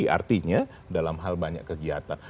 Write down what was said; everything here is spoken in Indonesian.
artinya dalam hal banyak kegiatan